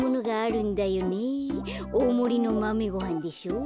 おおもりのマメごはんでしょ。